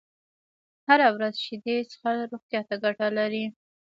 هره ورځ شيدې څښل روغتيا ته گټه لري